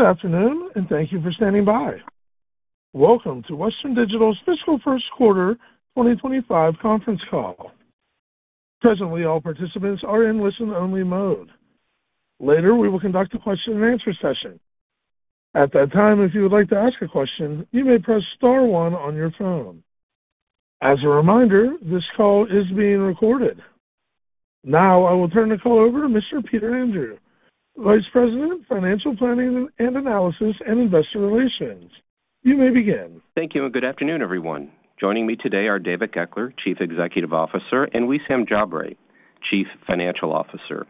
Good afternoon, and thank you for standing by. Welcome to Western Digital's Fiscal First Quarter 2025 Conference Call. Presently, all participants are in listen-only mode. Later, we will conduct a question-and-answer session. At that time, if you would like to ask a question, you may press star one on your phone. As a reminder, this call is being recorded. Now, I will turn the call over to Mr. Peter Andrew, Vice President of Financial Planning and Analysis and Investor Relations. You may begin. Thank you, and good afternoon, everyone. Joining me today are David Goeckeler, Chief Executive Officer, and Wissam Jabre, Chief Financial Officer.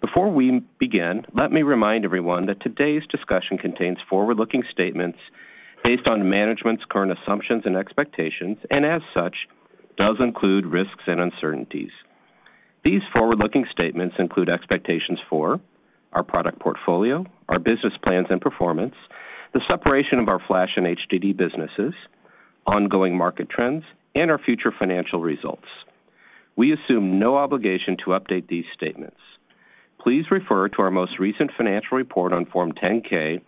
Before we begin, let me remind everyone that today's discussion contains forward-looking statements based on management's current assumptions and expectations, and as such, does include risks and uncertainties. These forward-looking statements include expectations for our product portfolio, our business plans and performance, the separation of our flash and HDD businesses, ongoing market trends, and our future financial results. We assume no obligation to update these statements. Please refer to our most recent financial report on Form 10-K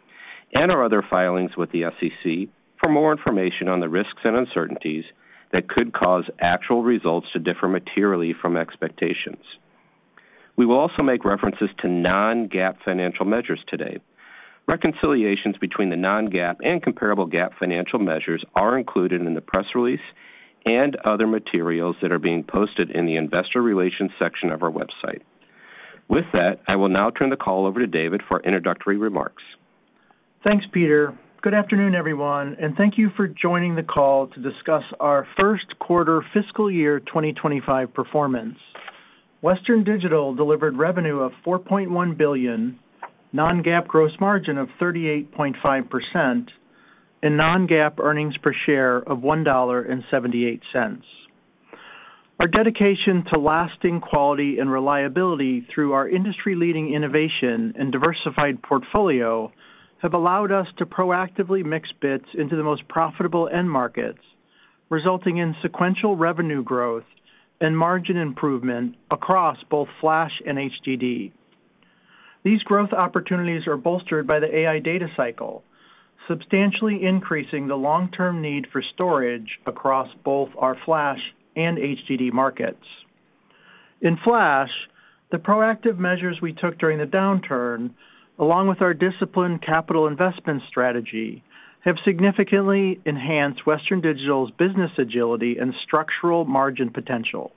and our other filings with the SEC for more information on the risks and uncertainties that could cause actual results to differ materially from expectations. We will also make references to non-GAAP financial measures today. Reconciliations between the non-GAAP and comparable GAAP financial measures are included in the press release and other materials that are being posted in the investor relations section of our website. With that, I will now turn the call over to David for introductory remarks. Thanks, Peter. Good afternoon, everyone, and thank you for joining the call to discuss our first quarter fiscal year 2025 performance. Western Digital delivered revenue of $4.1 billion, non-GAAP gross margin of 38.5%, and non-GAAP earnings per share of $1.78. Our dedication to lasting quality and reliability through our industry-leading innovation and diversified portfolio have allowed us to proactively mix bits into the most profitable end markets, resulting in sequential revenue growth and margin improvement across both flash and HDD. These growth opportunities are bolstered by the AI data cycle, substantially increasing the long-term need for storage across both our flash and HDD markets. In flash, the proactive measures we took during the downturn, along with our disciplined capital investment strategy, have significantly enhanced Western Digital's business agility and structural margin potential.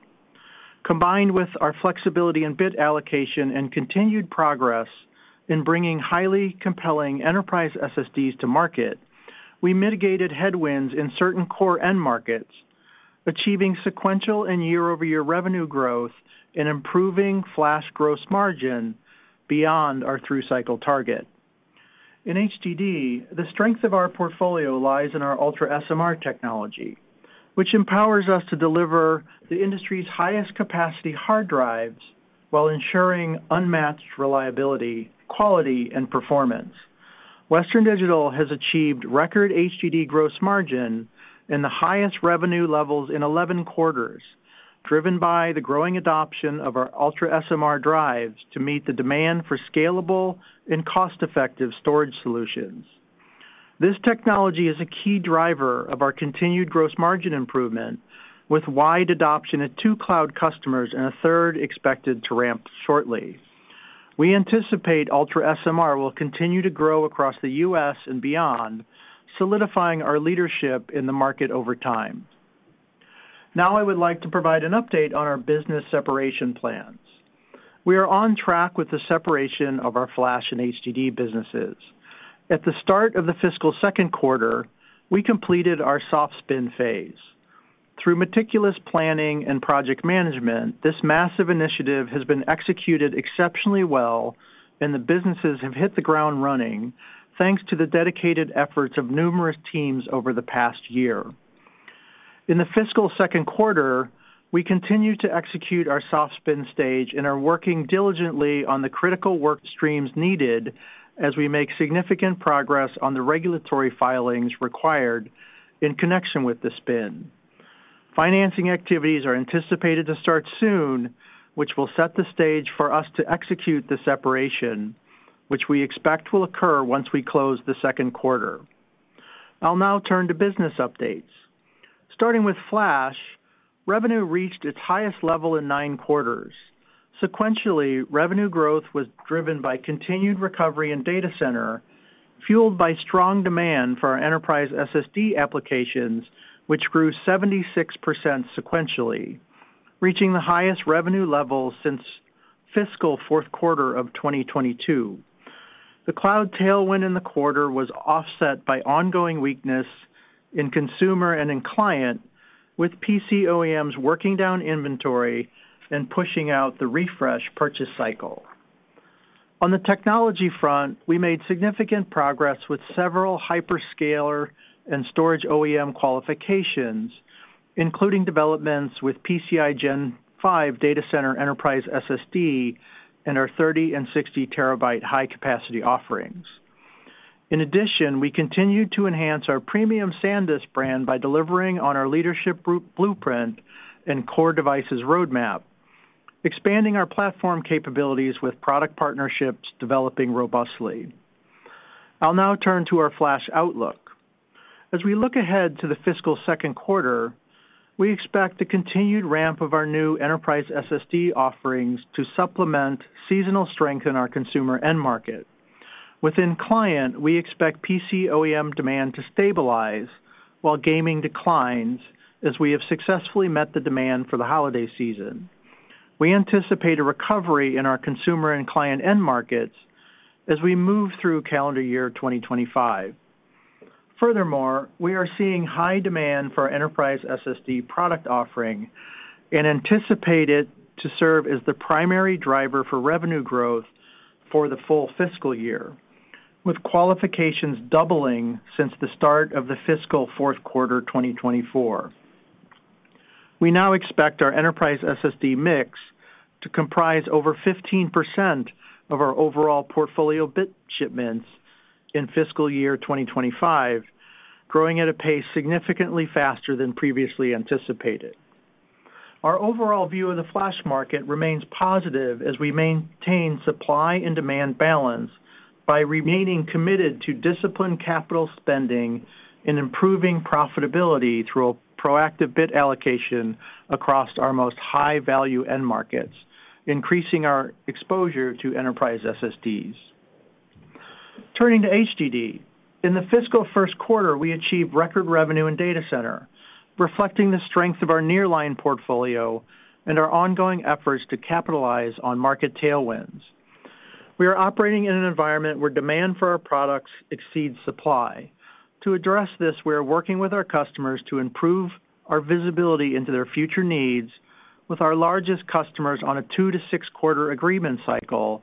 Combined with our flexibility and bit allocation and continued progress in bringing highly compelling enterprise SSDs to market, we mitigated headwinds in certain core end markets, achieving sequential and year-over-year revenue growth and improving flash gross margin beyond our through-cycle target. In HDD, the strength of our portfolio lies in our UltraSMR technology, which empowers us to deliver the industry's highest capacity hard drives while ensuring unmatched reliability, quality, and performance. Western Digital has achieved record HDD gross margin and the highest revenue levels in eleven quarters, driven by the growing adoption of our UltraSMR drives to meet the demand for scalable and cost-effective storage solutions. This technology is a key driver of our continued gross margin improvement, with wide adoption at two cloud customers and a third expected to ramp shortly. We anticipate UltraSMR will continue to grow across the U.S. and beyond, solidifying our leadership in the market over time. Now I would like to provide an update on our business separation plans. We are on track with the separation of our flash and HDD businesses. At the start of the fiscal second quarter, we completed our soft spin phase. Through meticulous planning and project management, this massive initiative has been executed exceptionally well, and the businesses have hit the ground running, thanks to the dedicated efforts of numerous teams over the past year. In the fiscal second quarter, we continued to execute our soft spin stage and are working diligently on the critical work streams needed as we make significant progress on the regulatory filings required in connection with the spin. Financing activities are anticipated to start soon, which will set the stage for us to execute the separation, which we expect will occur once we close the second quarter. I'll now turn to business updates. Starting with Flash, revenue reached its highest level in nine quarters. Sequentially, revenue growth was driven by continued recovery in data center, fueled by strong demand for our enterprise SSD applications, which grew 76% sequentially, reaching the highest revenue level since fiscal fourth quarter of 2022. The cloud tailwind in the quarter was offset by ongoing weakness in consumer and in client, with PC OEMs working down inventory and pushing out the refresh purchase cycle. On the technology front, we made significant progress with several hyperscaler and storage OEM qualifications, including developments with PCIe Gen 5 data center enterprise SSD and our 30- and 60-terabyte high-capacity offerings. In addition, we continued to enhance our premium SanDisk brand by delivering on our leadership group blueprint and core devices roadmap, expanding our platform capabilities with product partnerships developing robustly. I'll now turn to our flash outlook. As we look ahead to the fiscal second quarter, we expect a continued ramp of our new enterprise SSD offerings to supplement seasonal strength in our consumer end market. Within client, we expect PC OEM demand to stabilize, while gaming declines, as we have successfully met the demand for the holiday season. We anticipate a recovery in our consumer and client end markets as we move through calendar year 2025. Furthermore, we are seeing high demand for enterprise SSD product offering and anticipate it to serve as the primary driver for revenue growth for the full fiscal year, with qualifications doubling since the start of the fiscal fourth quarter, 2024. We now expect our enterprise SSD mix to comprise over 15% of our overall portfolio bit shipments in fiscal year 2025, growing at a pace significantly faster than previously anticipated. Our overall view of the flash market remains positive as we maintain supply and demand balance by remaining committed to disciplined capital spending and improving profitability through a proactive bit allocation across our most high-value end markets, increasing our exposure to enterprise SSDs. Turning to HDD. In the fiscal first quarter, we achieved record revenue in data center, reflecting the strength of our nearline portfolio and our ongoing efforts to capitalize on market tailwinds. We are operating in an environment where demand for our products exceeds supply. To address this, we are working with our customers to improve our visibility into their future needs with our largest customers on a two to six-quarter agreement cycle,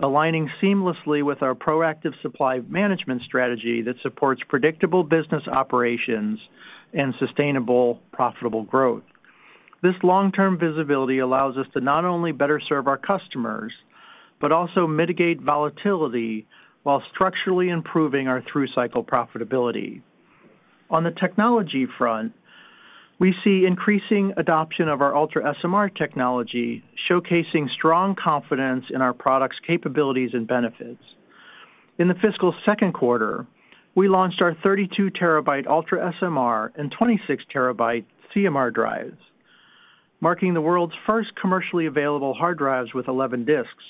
aligning seamlessly with our proactive supply management strategy that supports predictable business operations and sustainable, profitable growth. This long-term visibility allows us to not only better serve our customers, but also mitigate volatility while structurally improving our through-cycle profitability. On the technology front, we see increasing adoption of our UltraSMR technology, showcasing strong confidence in our product's capabilities and benefits. In the fiscal second quarter, we launched our 32-terabyte UltraSMR and 26-terabyte CMR drives, marking the world's first commercially available hard drives with 11 disks.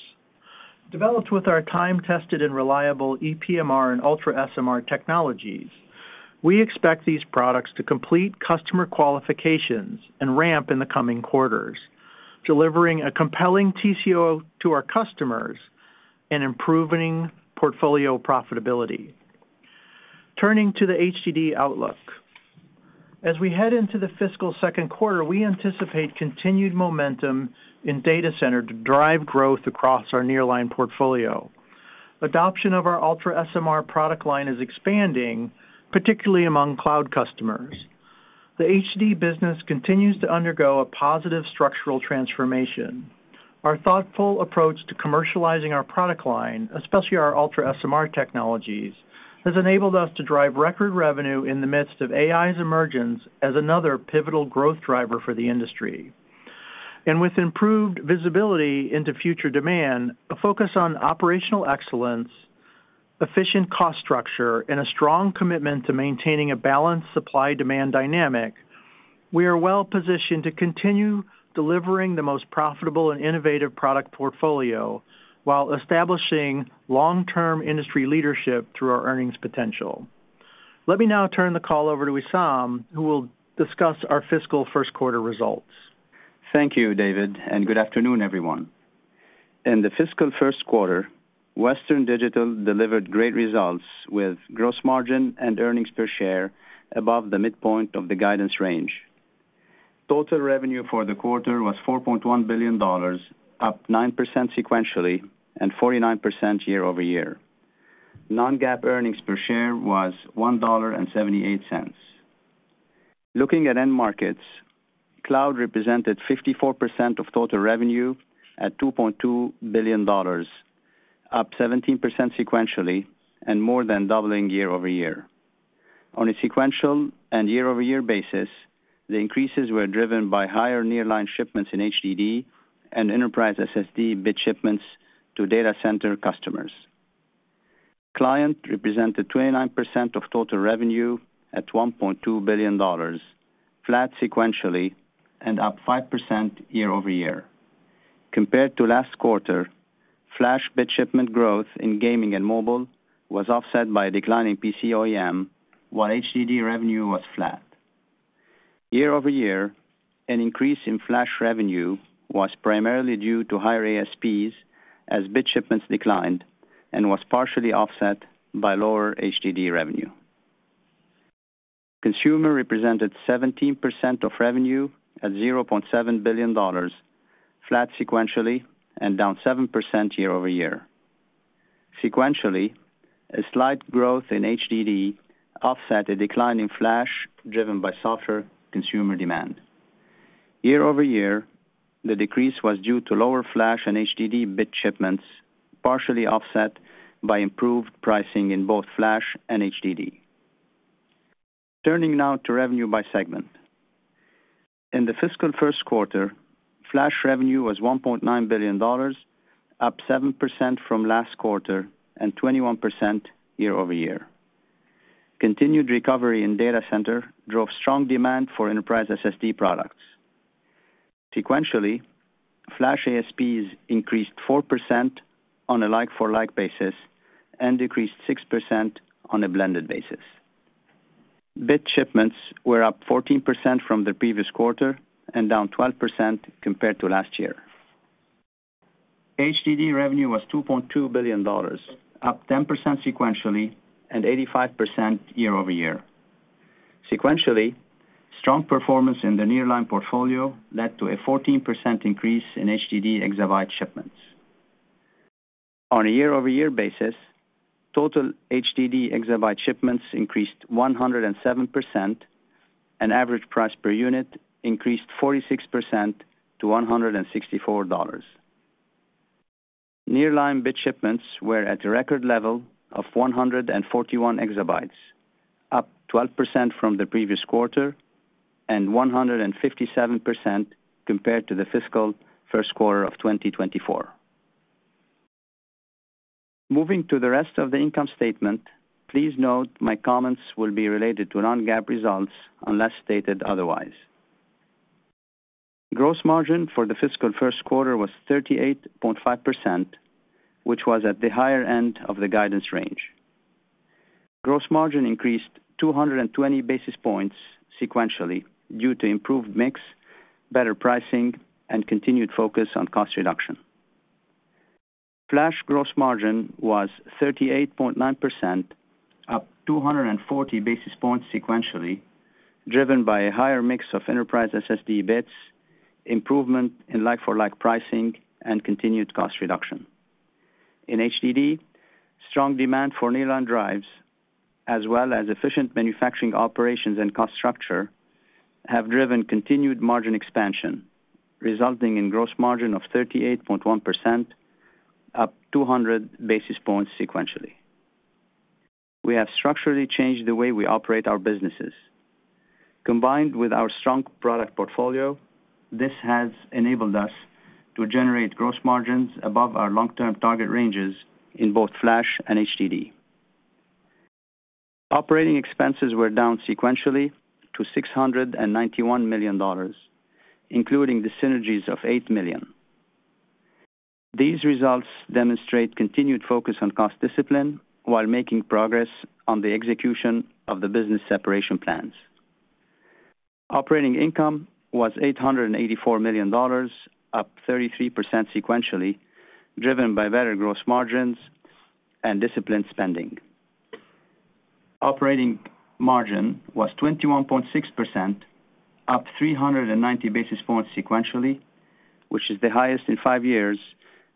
Developed with our time-tested and reliable ePMR and UltraSMR technologies, we expect these products to complete customer qualifications and ramp in the coming quarters, delivering a compelling TCO to our customers and improving portfolio profitability. Turning to the HDD outlook. As we head into the fiscal second quarter, we anticipate continued momentum in data center to drive growth across our nearline portfolio. Adoption of our UltraSMR product line is expanding, particularly among cloud customers. The HDD business continues to undergo a positive structural transformation. Our thoughtful approach to commercializing our product line, especially our UltraSMR technologies, has enabled us to drive record revenue in the midst of AI's emergence as another pivotal growth driver for the industry. And with improved visibility into future demand, a focus on operational excellence, efficient cost structure, and a strong commitment to maintaining a balanced supply-demand dynamic, we are well positioned to continue delivering the most profitable and innovative product portfolio while establishing long-term industry leadership through our earnings potential. Let me now turn the call over to Wissam, who will discuss our fiscal first quarter results. Thank you, David, and good afternoon, everyone. In the fiscal first quarter, Western Digital delivered great results with gross margin and earnings per share above the midpoint of the guidance range. Total revenue for the quarter was $4.1 billion, up 9% sequentially and 49% year-over-year. non-GAAP earnings per share was $1.78. Looking at end markets, cloud represented 54% of total revenue at $2.2 billion, up 17% sequentially and more than doubling year-over-year. On a sequential and year-over-year basis, the increases were driven by higher nearline shipments in HDD and enterprise SSD bit shipments to data center customers. Client represented 29% of total revenue at $1.2 billion, flat sequentially and up 5% year-over-year. Compared to last quarter, flash bit shipment growth in gaming and mobile was offset by a decline in PC OEM, while HDD revenue was flat. year-over-year, an increase in flash revenue was primarily due to higher ASPs as bit shipments declined and was partially offset by lower HDD revenue. Consumer represented 17% of revenue at $0.7 billion, flat sequentially and down 7% year-over-year. Sequentially, a slight growth in HDD offset a decline in flash, driven by softer consumer demand. year-over-year, the decrease was due to lower flash and HDD bit shipments, partially offset by improved pricing in both flash and HDD. Turning now to revenue by segment. In the fiscal first quarter, flash revenue was $1.9 billion, up 7% from last quarter and 21% year-over-year. Continued recovery in data center drove strong demand for enterprise SSD products. Sequentially, flash ASPs increased 4% on a like-for-like basis and decreased 6% on a blended basis. Bit shipments were up 14% from the previous quarter and down 12% compared to last year. HDD revenue was $2.2 billion, up 10% sequentially and 85% year-over-year. Sequentially, strong performance in the nearline portfolio led to a 14% increase in HDD exabyte shipments. On a year-over-year basis, total HDD exabyte shipments increased 107%, and average price per unit increased 46% to $164. Nearline bit shipments were at a record level of 141 exabytes, up 12% from the previous quarter and 157% compared to the fiscal first quarter of 2024. Moving to the rest of the income statement, please note my comments will be related to non-GAAP results unless stated otherwise. Gross margin for the fiscal first quarter was 38.5%, which was at the higher end of the guidance range. Gross margin increased 220 basis points sequentially due to improved mix, better pricing, and continued focus on cost reduction. Flash gross margin was 38.9%, up 240 basis points sequentially, driven by a higher mix of enterprise SSD bits, improvement in like-for-like pricing, and continued cost reduction. In HDD, strong demand for nearline drives, as well as efficient manufacturing operations and cost structure, have driven continued margin expansion, resulting in gross margin of 38.1%, up 200 basis points sequentially. We have structurally changed the way we operate our businesses. Combined with our strong product portfolio, this has enabled us to generate gross margins above our long-term target ranges in both flash and HDD. Operating expenses were down sequentially to $691 million, including the synergies of $8 million. These results demonstrate continued focus on cost discipline while making progress on the execution of the business separation plans. Operating income was $884 million, up 33% sequentially, driven by better gross margins and disciplined spending. Operating margin was 21.6%, up 390 basis points sequentially, which is the highest in five years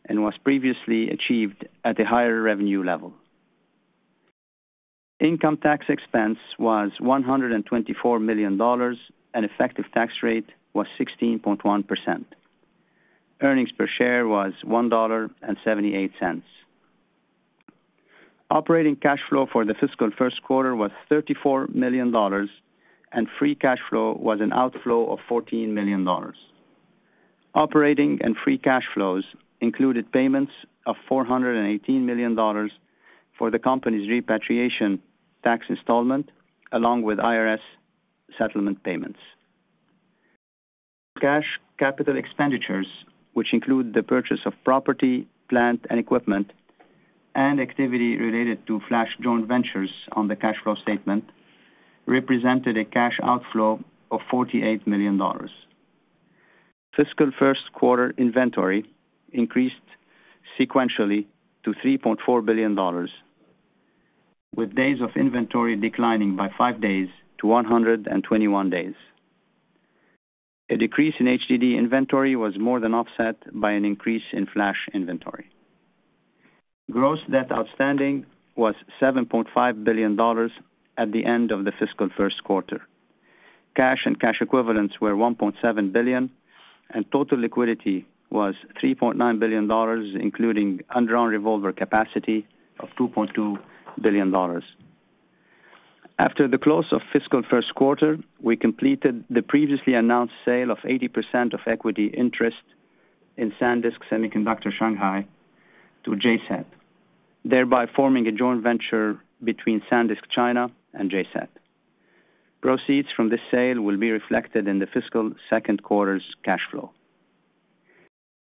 and was previously achieved at a higher revenue level. Income tax expense was $124 million, and effective tax rate was 16.1%. Earnings per share was $1.78. Operating cash flow for the fiscal first quarter was $34 million, and free cash flow was an outflow of $14 million. Operating and free cash flows included payments of $418 million for the company's repatriation tax installment, along with IRS settlement payments. Cash capital expenditures, which include the purchase of property, plant, and equipment, and activity related to flash joint ventures on the cash flow statement, represented a cash outflow of $48 million. Fiscal first quarter inventory increased sequentially to $3.4 billion, with days of inventory declining by five days to 121 days. A decrease in HDD inventory was more than offset by an increase in flash inventory. Gross debt outstanding was $7.5 billion at the end of the fiscal first quarter. Cash and cash equivalents were $1.7 billion, and total liquidity was $3.9 billion, including undrawn revolver capacity of $2.2 billion. After the close of fiscal first quarter, we completed the previously announced sale of 80% of equity interest in SanDisk Semiconductor Shanghai to JCET, thereby forming a joint venture between SanDisk China and JCET. Proceeds from this sale will be reflected in the fiscal second quarter's cash flow.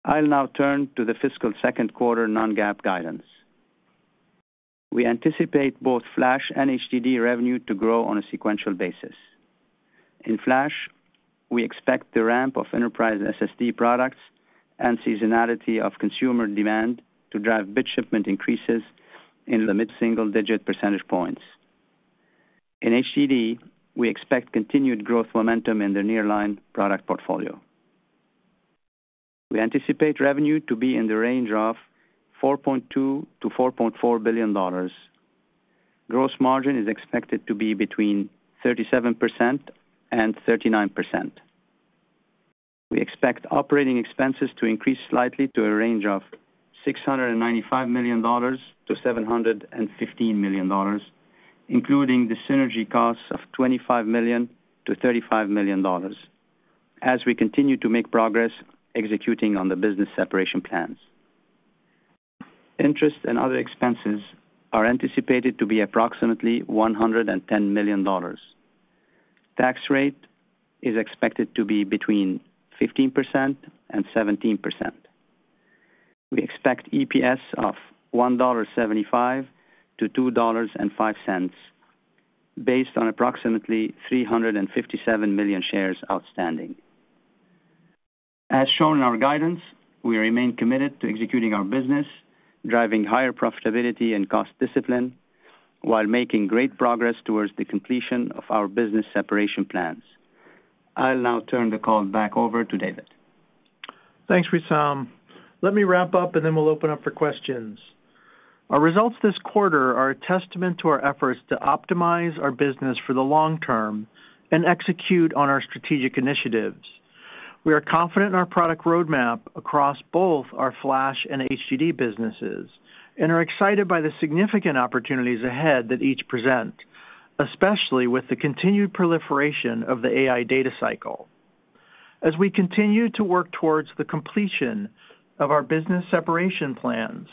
I'll now turn to the fiscal second quarter non-GAAP guidance. We anticipate both flash and HDD revenue to grow on a sequential basis. In flash, we expect the ramp of enterprise SSD products and seasonality of consumer demand to drive bit shipment increases in the mid-single-digit percentage points. In HDD, we expect continued growth momentum in the nearline product portfolio. We anticipate revenue to be in the range of $4.2 billion-$4.4 billion. Gross margin is expected to be between 37% and 39%. We expect operating expenses to increase slightly to a range of $695 million-$715 million, including the synergy costs of $25 million-$35 million, as we continue to make progress executing on the business separation plans. Interest and other expenses are anticipated to be approximately $110 million. Tax rate is expected to be between 15% and 17%. We expect EPS of $1.75-$2.05, based on approximately 357 million shares outstanding. As shown in our guidance, we remain committed to executing our business, driving higher profitability and cost discipline, while making great progress towards the completion of our business separation plans. I'll now turn the call back over to David. Thanks, Wissam. Let me wrap up, and then we'll open up for questions. Our results this quarter are a testament to our efforts to optimize our business for the long term and execute on our strategic initiatives. We are confident in our product roadmap across both our flash and HDD businesses and are excited by the significant opportunities ahead that each present, especially with the continued proliferation of the AI data cycle. As we continue to work towards the completion of our business separation plans,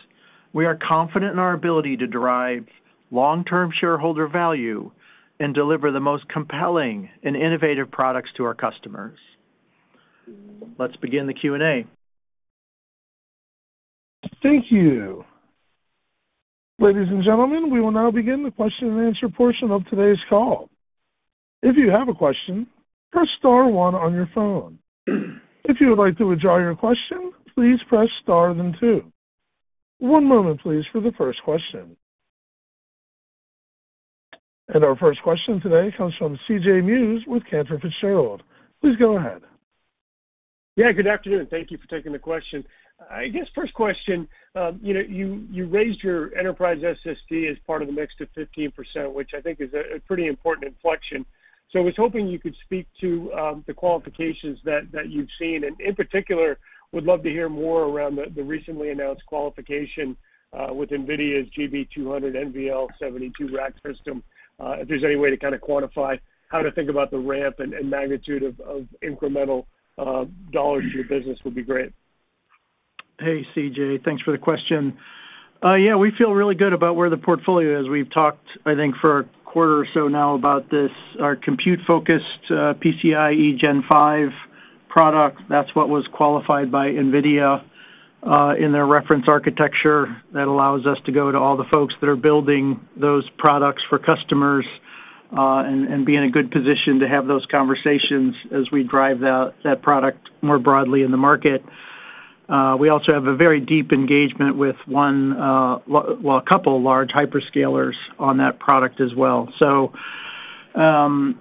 we are confident in our ability to drive long-term shareholder value and deliver the most compelling and innovative products to our customers. Let's begin the Q&A. Thank you. Ladies and gentlemen, we will now begin the question and answer portion of today's call. If you have a question, press star one on your phone. If you would like to withdraw your question, please press star then two. One moment, please, for the first question, and our first question today comes from C.J. Muse with Cantor Fitzgerald. Please go ahead. Yeah, good afternoon. Thank you for taking the question. I guess, first question, you know, you raised your enterprise SSD as part of the mix to 15%, which I think is a pretty important inflection. So I was hoping you could speak to the qualifications that you've seen. And in particular, would love to hear more around the recently announced qualification with NVIDIA's GB200 NVL72 rack system. If there's any way to kind of quantify how to think about the ramp and magnitude of incremental dollars to your business would be great. Hey, CJ. Thanks for the question. Yeah, we feel really good about where the portfolio is. We've talked, I think, for a quarter or so now about this, our compute-focused, PCIe Gen 5 product. That's what was qualified by NVIDIA in their reference architecture. That allows us to go to all the folks that are building those products for customers and be in a good position to have those conversations as we drive that product more broadly in the market. We also have a very deep engagement with one, well, a couple of large hyperscalers on that product as well. So,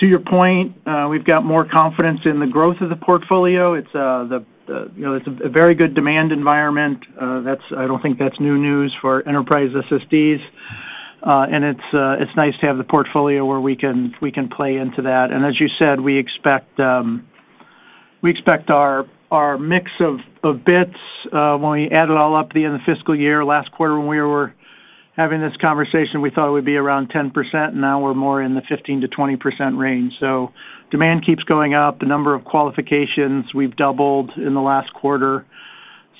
to your point, we've got more confidence in the growth of the portfolio. It's the you know, it's a very good demand environment. That's I don't think that's new news for enterprise SSDs. It's nice to have the portfolio where we can play into that. As you said, we expect our mix of bits when we add it all up at the end of fiscal year. Last quarter, when we were having this conversation, we thought it would be around 10%. Now we're more in the 15%-20% range. Demand keeps going up. The number of qualifications we've doubled in the last quarter.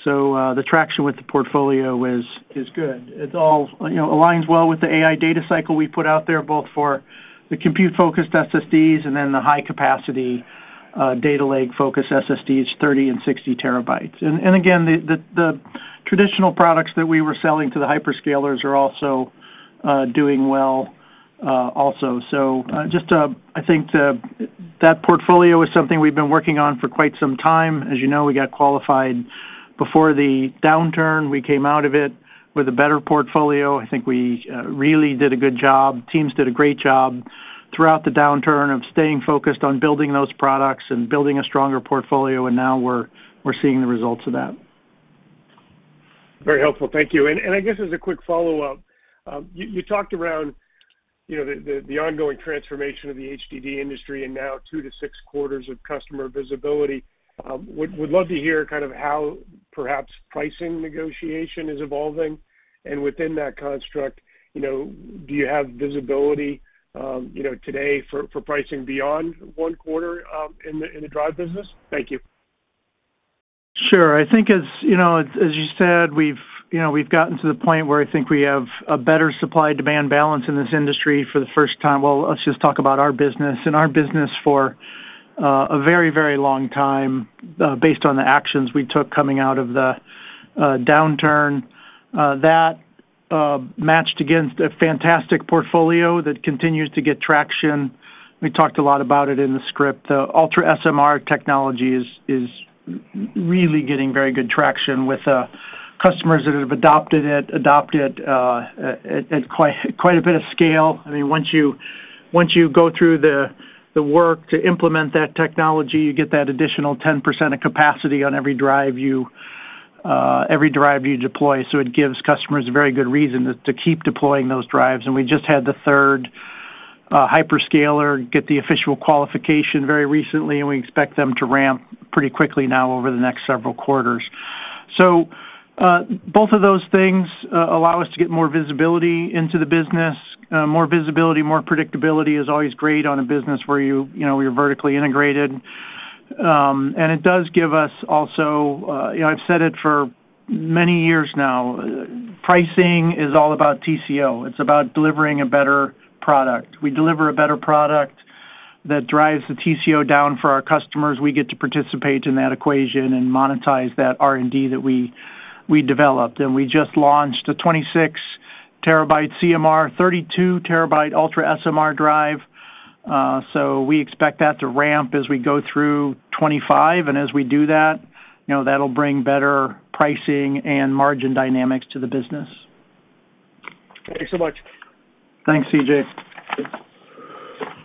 The traction with the portfolio is good. It all, you know, aligns well with the AI data cycle we put out there, both for the compute-focused SSDs and then the high-capacity data lake-focused SSDs, 30 and 60 terabytes. Again, the traditional products that we were selling to the hyperscalers are also doing well, also. So, just to... I think that portfolio is something we've been working on for quite some time. As you know, we got qualified before the downturn. We came out of it with a better portfolio. I think we really did a good job. Teams did a great job throughout the downturn of staying focused on building those products and building a stronger portfolio, and now we're seeing the results of that. Very helpful. Thank you. And I guess as a quick follow-up, you talked around, you know, the ongoing transformation of the HDD industry and now two to six quarters of customer visibility. Would love to hear kind of how perhaps pricing negotiation is evolving. And within that construct, you know, do you have visibility, you know, today for pricing beyond one quarter in the drive business? Thank you. Sure. I think as you know, as you said, we've, you know, gotten to the point where I think we have a better supply-demand balance in this industry for the first time. Let's just talk about our business. In our business for a very, very long time, based on the actions we took coming out of the downturn that matched against a fantastic portfolio that continues to get traction. We talked a lot about it in the script. UltraSMR technology is really getting very good traction with customers that have adopted it at quite a bit of scale. I mean, once you go through the work to implement that technology, you get that additional 10% of capacity on every drive you... Every drive you deploy, so it gives customers a very good reason to keep deploying those drives. And we just had the third hyperscaler get the official qualification very recently, and we expect them to ramp pretty quickly now over the next several quarters. So both of those things allow us to get more visibility into the business. More visibility, more predictability is always great on a business where you know you're vertically integrated. And it does give us also, you know, I've said it for many years now, pricing is all about TCO. It's about delivering a better product. We deliver a better product that drives the TCO down for our customers. We get to participate in that equation and monetize that R&D that we developed. And we just launched a 26-terabyte CMR, 32-terabyte UltraSMR drive. So we expect that to ramp as we go through 2025, and as we do that, you know, that'll bring better pricing and margin dynamics to the business. Thanks so much. Thanks, CJ.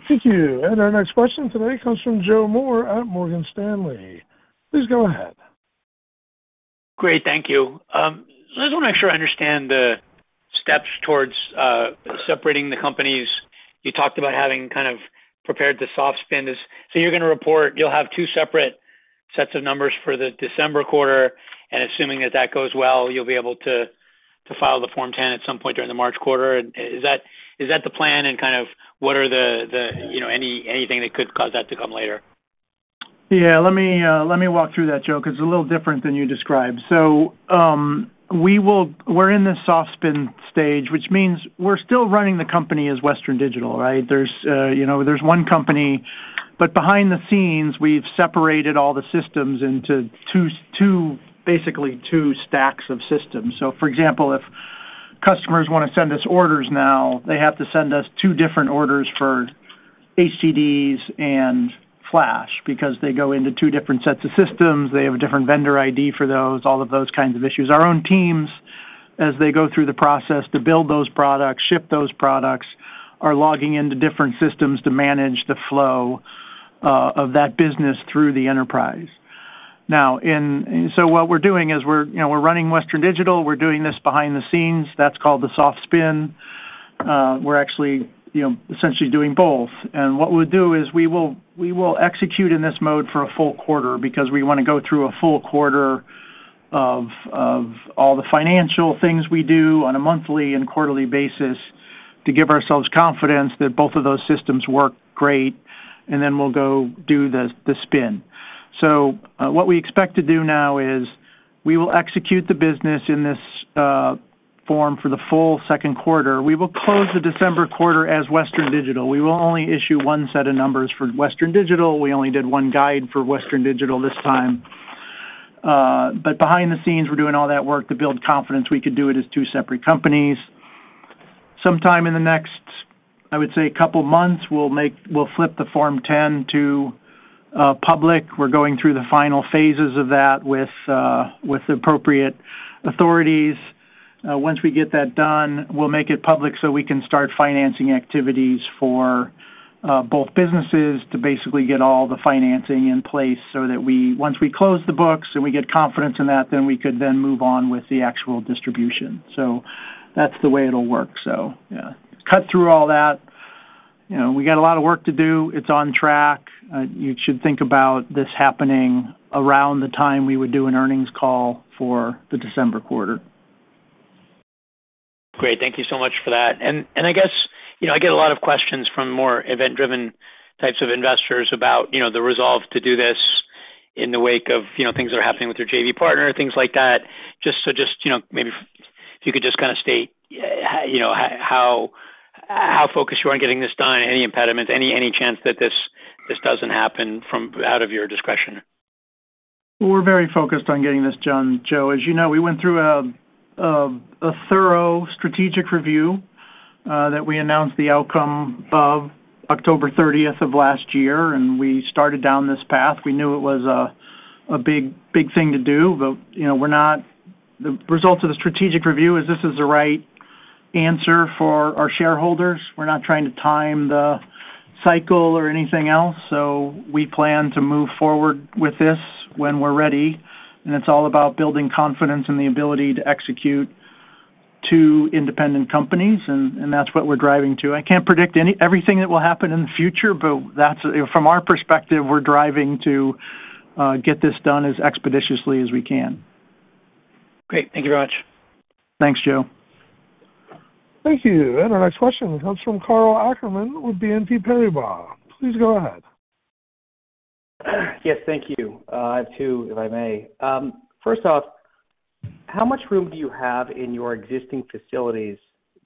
Thank you, and our next question today comes from Joe Moore at Morgan Stanley. Please go ahead. Great, thank you. I just want to make sure I understand the steps towards separating the companies. You talked about having kind of prepared the soft spin. So you're going to report, you'll have two separate sets of numbers for the December quarter, and assuming that that goes well, you'll be able to to file the Form 10 at some point during the March quarter. Is that, is that the plan? And kind of what are the, the, you know, anything that could cause that to come later? Yeah, let me, let me walk through that, Joe, because it's a little different than you described. So, we're in the soft spin stage, which means we're still running the company as Western Digital, right? There's, you know, there's one company, but behind the scenes, we've separated all the systems into two, basically, two stacks of systems. So for example, if customers want to send us orders now, they have to send us two different orders for HDDs and Flash, because they go into two different sets of systems. They have a different vendor ID for those, all of those kinds of issues. Our own teams, as they go through the process to build those products, ship those products, are logging into different systems to manage the flow, of that business through the enterprise. Now, so what we're doing is we're, you know, we're running Western Digital. We're doing this behind the scenes. That's called the soft spin. We're actually, you know, essentially doing both, and what we'll do is we will execute in this mode for a full quarter because we want to go through a full quarter of all the financial things we do on a monthly and quarterly basis to give ourselves confidence that both of those systems work great, and then we'll go do the spin, so what we expect to do now is we will execute the business in this form for the full second quarter. We will close the December quarter as Western Digital. We will only issue one set of numbers for Western Digital. We only did one guide for Western Digital this time. But behind the scenes, we're doing all that work to build confidence we could do it as two separate companies. Sometime in the next, I would say, couple months, we'll flip the Form 10 to public. We're going through the final phases of that with the appropriate authorities. Once we get that done, we'll make it public so we can start financing activities for both businesses to basically get all the financing in place so that once we close the books and we get confidence in that, then we could move on with the actual distribution. So that's the way it'll work. So yeah, cut through all that, you know, we got a lot of work to do. It's on track. You should think about this happening around the time we would do an earnings call for the December quarter. Great. Thank you so much for that. And I guess, you know, I get a lot of questions from more event-driven types of investors about, you know, the resolve to do this in the wake of, you know, things that are happening with your JV partner, things like that. Just, you know, maybe if you could just kind of state, you know, how focused you are on getting this done, any impediments, any chance that this doesn't happen from out of your discretion? We're very focused on getting this done, Joe. As you know, we went through a thorough strategic review that we announced the outcome of October thirtieth of last year, and we started down this path. We knew it was a big, big thing to do, but, you know, we're not... The results of the strategic review is this is the right answer for our shareholders. We're not trying to time the cycle or anything else, so we plan to move forward with this when we're ready, and it's all about building confidence in the ability to execute two independent companies, and that's what we're driving to. I can't predict everything that will happen in the future, but that's, from our perspective, we're driving to get this done as expeditiously as we can. Great. Thank you very much. Thanks, Joe. Thank you. And our next question comes from Karl Ackerman with BNP Paribas. Please go ahead. Yes, thank you. I have two, if I may. First off, how much room do you have in your existing facilities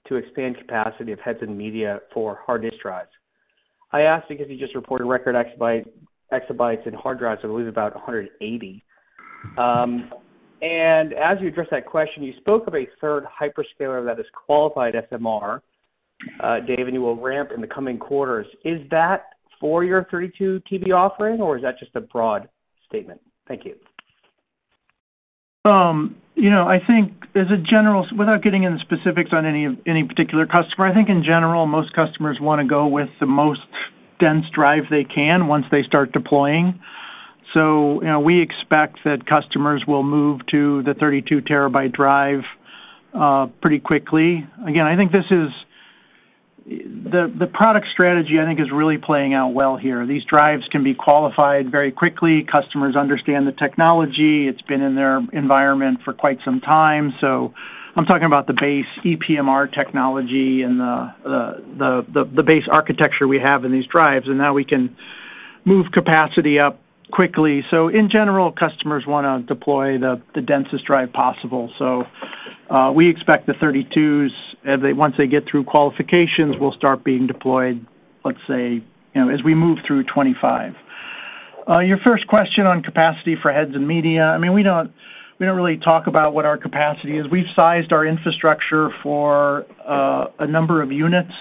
to expand capacity of heads and media for hard disk drives? I ask because you just reported record exabytes and hard drives, I believe, about 180. As you address that question, you spoke of a third hyperscaler that is qualified SMR, Dave, and you will ramp in the coming quarters. Is that for your 32 TB offering, or is that just a broad statement? Thank you. You know, I think as a general without getting into specifics on any of any particular customer, I think in general, most customers want to go with the most dense drive they can once they start deploying. So, you know, we expect that customers will move to the 32 terabyte drive pretty quickly. Again, I think this is the product strategy. I think is really playing out well here. These drives can be qualified very quickly. Customers understand the technology. It's been in their environment for quite some time. So I'm talking about the base ePMR technology and the base architecture we have in these drives, and now we can move capacity up quickly. So in general, customers want to deploy the densest drive possible. We expect the thirty-twos, as once they get through qualifications, will start being deployed, let's say, you know, as we move through 2025. Your first question on capacity for heads and media, I mean, we don't really talk about what our capacity is. We've sized our infrastructure for a number of units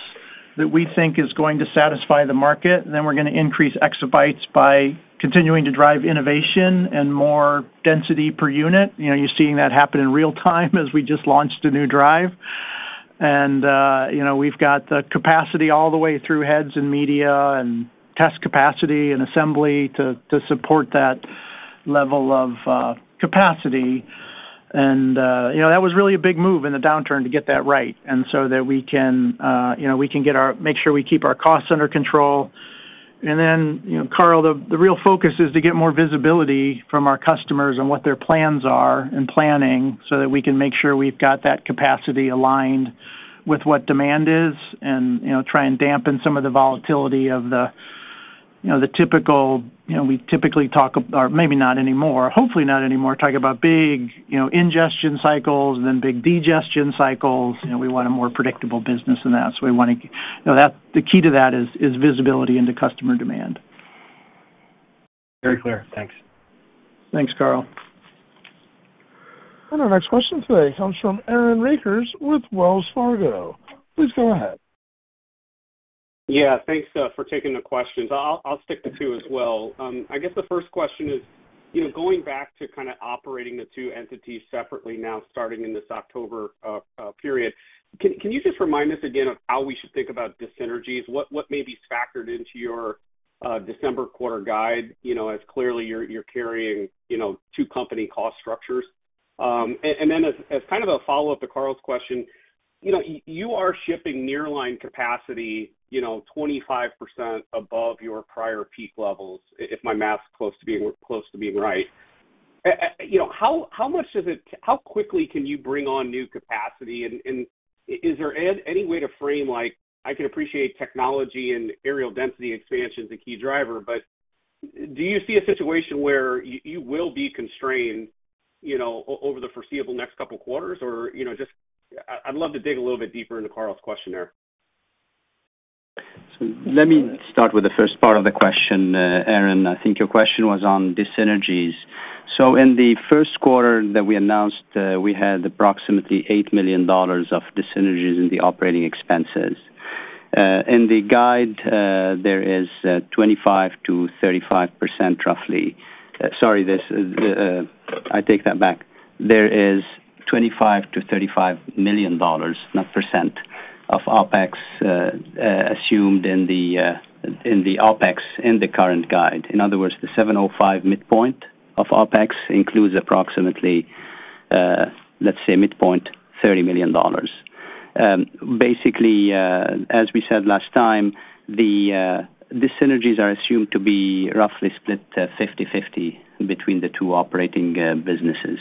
that we think is going to satisfy the market, and then we're going to increase exabytes by continuing to drive innovation and more density per unit. You know, you're seeing that happen in real time as we just launched a new drive. You know, we've got the capacity all the way through heads and media and test capacity and assembly to support that level of capacity. You know, that was really a big move in the downturn to get that right, and so that we can, you know, we can make sure we keep our costs under control. Then, you know, Karl, the real focus is to get more visibility from our customers and what their plans are, and planning, so that we can make sure we've got that capacity aligned with what demand is and, you know, try and dampen some of the volatility of the, you know, the typical, you know, we typically talk, or maybe not anymore, hopefully not anymore, talk about big, you know, ingestion cycles and then big digestion cycles. You know, we want a more predictable business than that, so we want to. You know, that, the key to that is visibility into customer demand. Very clear. Thanks. Thanks, Karl. Our next question today comes from Aaron Rakers with Wells Fargo. Please go ahead. Yeah, thanks for taking the questions. I'll stick to two as well. I guess the first question is, you know, going back to kind of operating the two entities separately now, starting in this October period, can you just remind us again of how we should think about dis-synergies? What may be factored into your December quarter guide? You know, as clearly you're carrying, you know, two company cost structures. And then as kind of a follow-up to Karl's question, you know, you are shipping nearline capacity, you know, 25% above your prior peak levels, if my math is close to being right. You know, how quickly can you bring on new capacity? Is there any way to frame, like, I can appreciate technology and areal density expansion is a key driver, but do you see a situation where you will be constrained, you know, over the foreseeable next couple quarters? Or, you know, just, I'd love to dig a little bit deeper into Karl's question there. So let me start with the first part of the question, Aaron. I think your question was on dis-synergies. So in the first quarter that we announced, we had approximately $8 million of dis-synergies in the operating expenses. In the guide, there is 25%-35%, roughly. Sorry, this, I take that back. There is $25 million-$35 million, not percent, of OpEx assumed in the OpEx in the current guide. In other words, the $705 midpoint of OpEx includes approximately, let's say, midpoint, $30 million. Basically, as we said last time, the dis-synergies are assumed to be roughly split fifty-fifty between the two operating businesses.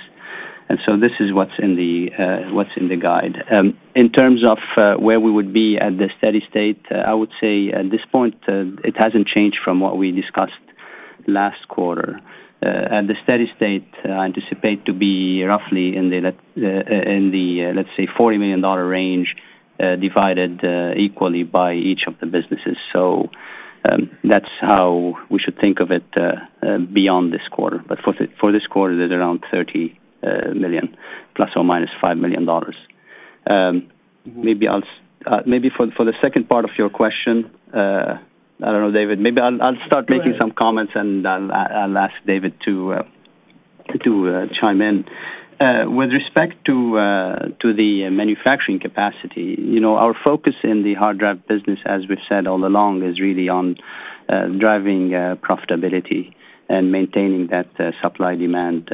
And so this is what's in the guide. In terms of where we would be at the steady state, I would say at this point, it hasn't changed from what we discussed last quarter. At the steady state, I anticipate to be roughly in the, let's say, $40 million range, divided equally by each of the businesses. So, that's how we should think of it beyond this quarter. But for this quarter, it is around $30 million, ±$5 million. Maybe for the second part of your question, I don't know, David, maybe I'll start making some comments, and I'll ask David to chime in. With respect to the manufacturing capacity, you know, our focus in the hard drive business, as we've said all along, is really on driving profitability and maintaining that supply-demand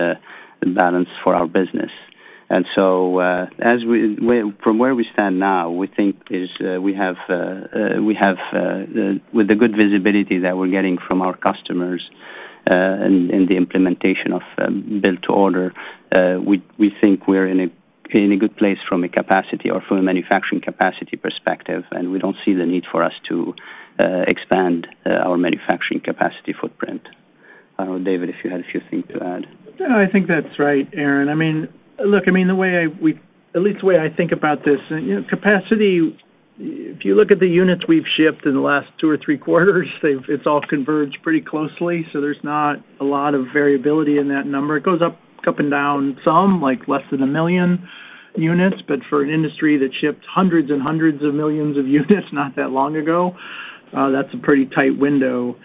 balance for our business. And so, from where we stand now, we think we have the, with the good visibility that we're getting from our customers in the implementation of build-to-order, we think we're in a good place from a capacity or from a manufacturing capacity perspective, and we don't see the need for us to expand our manufacturing capacity footprint. I don't know, David, if you had a few things to add. No, I think that's right, Aaron. I mean, look, I mean, the way I think about this, you know, capacity, if you look at the units we've shipped in the last two or three quarters, they've all converged pretty closely, so there's not a lot of variability in that number. It goes up and down some, like less than a million units, but for an industry that shipped hundreds and hundreds of millions of units, not that long ago, that's a pretty tight window.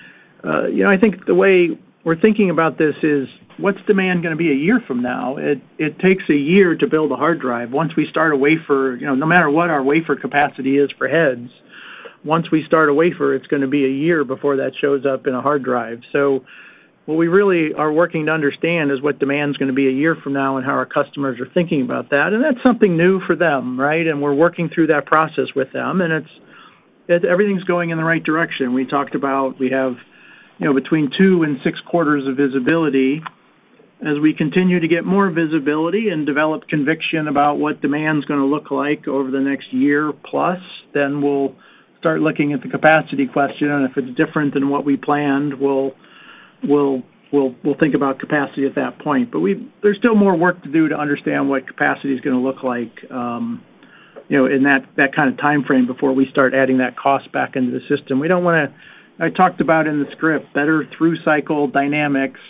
You know, I think the way we're thinking about this is, what's demand gonna be a year from now? It takes a year to build a hard drive. Once we start a wafer, you know, no matter what our wafer capacity is for heads, once we start a wafer, it's gonna be a year before that shows up in a hard drive. So what we really are working to understand is what demand's gonna be a year from now and how our customers are thinking about that. And that's something new for them, right? And we're working through that process with them, and it's everything's going in the right direction. We talked about, we have, you know, between two and six quarters of visibility. As we continue to get more visibility and develop conviction about what demand's gonna look like over the next year-plus, then we'll start looking at the capacity question, and if it's different than what we planned, we'll think about capacity at that point. But there's still more work to do to understand what capacity is gonna look like, you know, in that, that kind of time frame before we start adding that cost back into the system. We don't wanna, I talked about in the script, better through-cycle dynamics.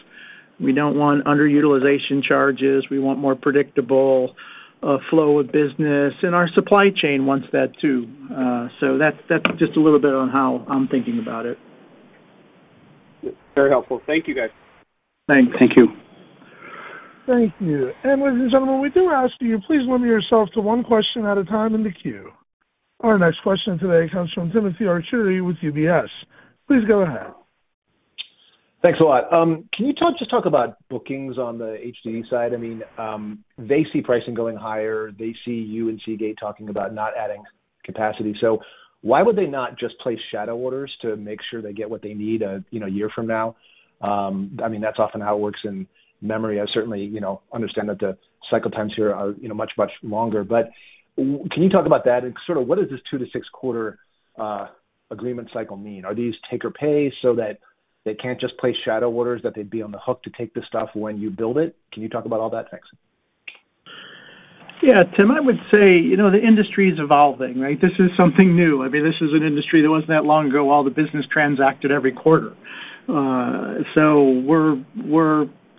We don't want underutilization charges. We want more predictable flow of business, and our supply chain wants that, too. So that's, that's just a little bit on how I'm thinking about it. Very helpful. Thank you, guys. Thanks. Thank you. Thank you. And ladies and gentlemen, we do ask you, please limit yourself to one question at a time in the queue. Our next question today comes from Timothy Arcuri with UBS. Please go ahead. Thanks a lot. Can you talk about bookings on the HDD side? I mean, they see pricing going higher. They see you and Seagate talking about not adding capacity. So why would they not just place shadow orders to make sure they get what they need, you know, a year from now? I mean, that's often how it works in memory. I certainly, you know, understand that the cycle times here are, you know, much, much longer. But can you talk about that, and sort of what is this two- to six-quarter agreement cycle mean? Are these take or pay so that they can't just place shadow orders, that they'd be on the hook to take the stuff when you build it? Can you talk about all that? Thanks. Yeah, Tim, I would say, you know, the industry is evolving, right? This is something new. I mean, this is an industry that wasn't that long ago, all the business transacted every quarter. So we're,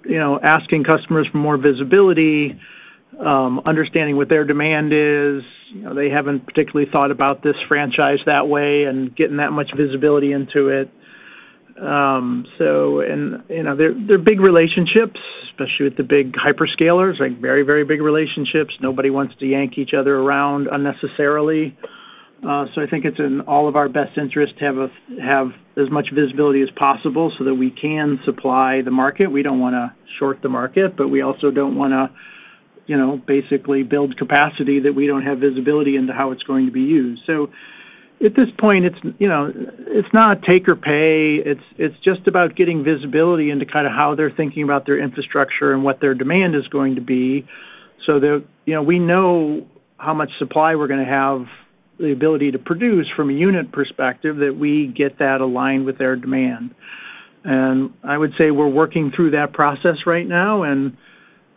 you know, asking customers for more visibility, understanding what their demand is. You know, they haven't particularly thought about this franchise that way and getting that much visibility into it. So and, you know, they're big relationships, especially with the big hyperscalers, like, very, very big relationships. Nobody wants to yank each other around unnecessarily. So I think it's in all of our best interest to have as much visibility as possible so that we can supply the market. We don't wanna short the market, but we also don't wanna, you know, basically build capacity that we don't have visibility into how it's going to be used. So at this point, it's, you know, it's not take or pay. It's just about getting visibility into kind of how they're thinking about their infrastructure and what their demand is going to be, so that, you know, we know how much supply we're gonna have the ability to produce from a unit perspective, that we get that aligned with their demand. I would say we're working through that process right now, and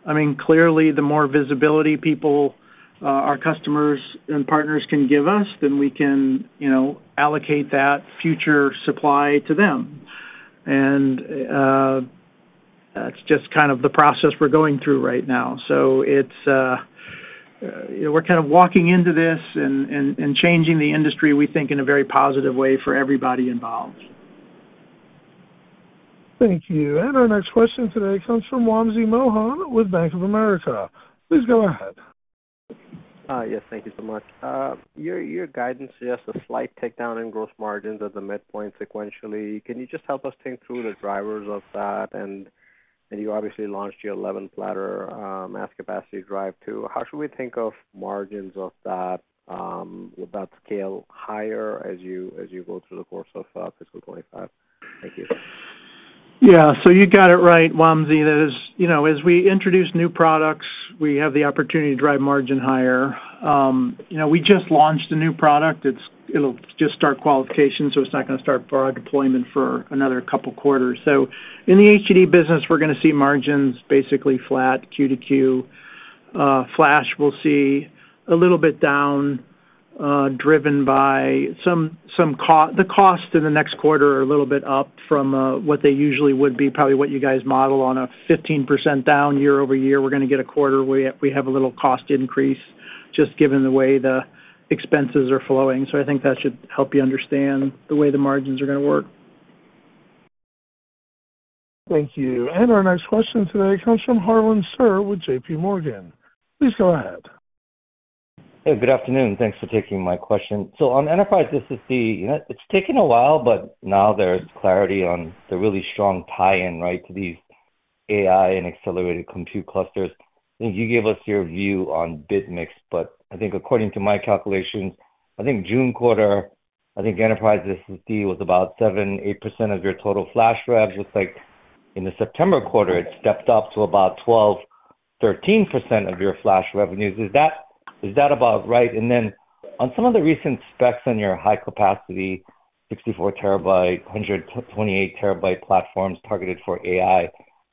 I mean, clearly, the more visibility people, our customers and partners can give us, then we can, you know, allocate that future supply to them. That's just kind of the process we're going through right now. It's, you know, we're kind of walking into this and changing the industry, we think, in a very positive way for everybody involved. Thank you. And our next question today comes from Wamsi Mohan with Bank of America. Please go ahead. Yes. Thank you so much. Your guidance suggests a slight takedown in gross margins at the midpoint sequentially. Can you just help us think through the drivers of that? And you obviously launched your eleventh platter mass capacity drive, too. How should we think of margins of that? Will that scale higher as you go through the course of fiscal 2025? Thank you. Yeah. So you got it right, Wamsi. That is, you know, as we introduce new products, we have the opportunity to drive margin higher. You know, we just launched a new product. It'll just start qualification, so it's not gonna start product deployment for another couple quarters. So in the HDD business, we're gonna see margins basically flat Q to Q. Flash, we'll see a little bit down, driven by some costs in the next quarter are a little bit up from what they usually would be, probably what you guys model on a 15% down year-over-year. We're gonna get a quarter where we have a little cost increase, just given the way the expenses are flowing. So I think that should help you understand the way the margins are gonna work. Thank you. Our next question today comes from Harlan Sur with JPMorgan. Please go ahead. Hey, good afternoon. Thanks for taking my question. So on enterprise SSD, you know, it's taken a while, but now there's clarity on the really strong tie-in, right, to these AI and accelerated compute clusters. I think you gave us your view on bit mix, but I think according to my calculations, I think enterprise SSD was about 7-8% of your total flash rev. Looks like in the September quarter, it stepped up to about 12-13% of your flash revenues. Is that about right? And then on some of the recent specs on your high capacity, 64-terabyte, 128-terabyte platforms targeted for AI,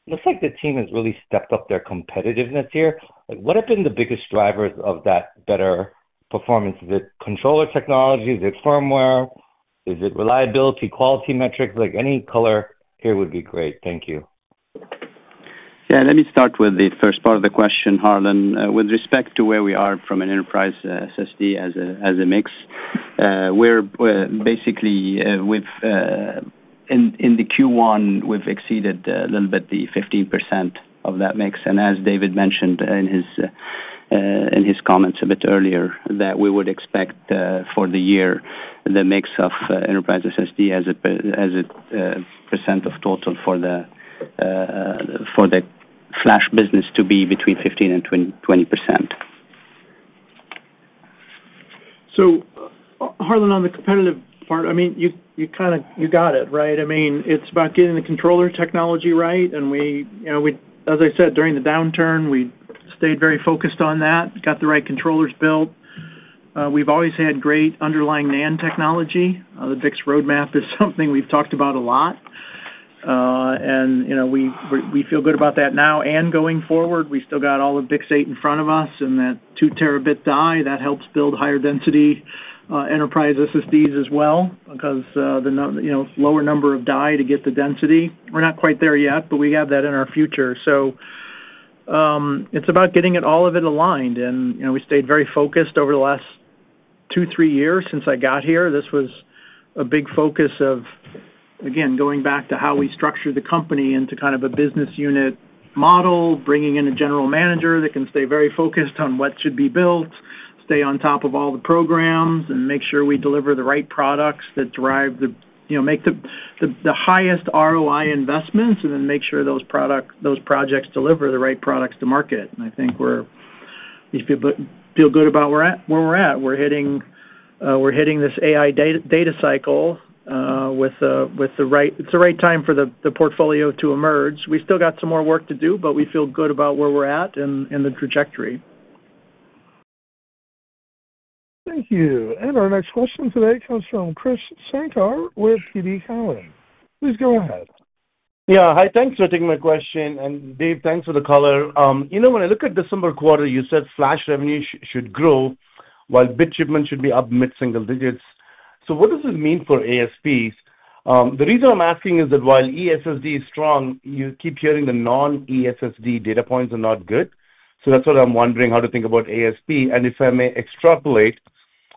looks like the team has really stepped up their competitiveness here. Like, what have been the biggest drivers of that better performance? Is it controller technology? Is it firmware? Is it reliability, quality metrics? Like, any color here would be great. Thank you. ... Yeah, let me start with the first part of the question, Harlan. With respect to where we are from an enterprise SSD as a mix, we're basically in the Q1 we've exceeded a little bit the 15% of that mix. And as David mentioned in his comments a bit earlier, that we would expect for the year the mix of enterprise SSD as a percent of total for the flash business to be between 15% and 20%. So, Harlan, on the competitive part, I mean, you kind of got it, right? I mean, it's about getting the controller technology right, and we, you know, we as I said, during the downturn, we stayed very focused on that, got the right controllers built. We've always had great underlying NAND technology. The BiCS roadmap is something we've talked about a lot. And, you know, we feel good about that now and going forward. We still got all of BiCS8 in front of us, and that two-terabit die that helps build higher density enterprise SSDs as well, because you know, lower number of die to get the density. We're not quite there yet, but we have that in our future. So, it's about getting it, all of it aligned, and, you know, we stayed very focused over the last two, three years since I got here. This was a big focus of, again, going back to how we structured the company into kind of a business unit model, bringing in a general manager that can stay very focused on what should be built, stay on top of all the programs, and make sure we deliver the right products that drive the... You know, make the highest ROI investments, and then make sure those projects deliver the right products to market. And I think we feel good about where we're at. We're hitting this AI data cycle with the right... It's the right time for the portfolio to emerge. We still got some more work to do, but we feel good about where we're at and the trajectory. Thank you. And our next question today comes from Krish Sankar with TD Cowen. Please go ahead. Yeah. Hi, thanks for taking my question. And Dave, thanks for the color. You know, when I look at December quarter, you said flash revenue should grow, while bit shipment should be up mid-single digits. So what does this mean for ASPs? The reason I'm asking is that while eSSD is strong, you keep hearing the non-eSSD data points are not good. So that's what I'm wondering, how to think about ASP. And if I may extrapolate,